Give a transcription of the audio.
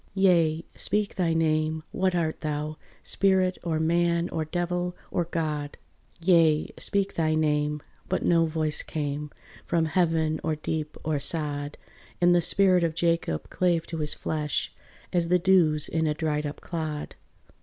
"Yea, speak thy name, what art thou, spirit, Or man, or devil, or God? Yea, speak thy name!" But no voice came, From heaven or deep or sod: And the spirit of Jacob clave to his flesh As the dews in a dried up clod.